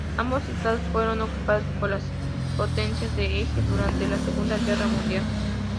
Ambos estados fueron ocupados por las potencias del Eje durante la segunda guerra mundial.